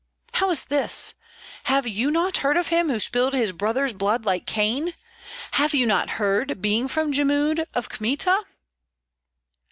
"How is this? Have you not heard of him who spilled his brother's blood, like Cain? Have you not heard, being from Jmud, of Kmita?"